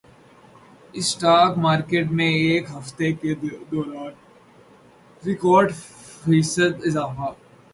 stock market میں ایک ہفتے کے دوران ریکارڈ فیصد اضافہ